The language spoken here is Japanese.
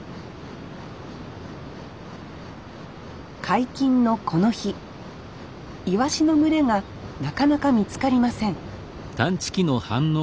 解禁のこの日イワシの群れがなかなか見つかりません